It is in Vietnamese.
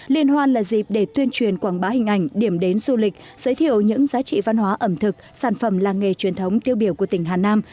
liên hoan là dịp để tuyên truyền quảng bá hình ảnh điểm đến du lịch giới thiệu những giá trị văn hóa ẩm thực sản phẩm làng nghề truyền thống tiêu biểu của tỉnh hà nam